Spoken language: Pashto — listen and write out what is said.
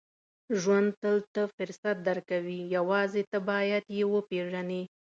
• ژوند تل ته فرصت درکوي، یوازې ته باید یې وپېژنې.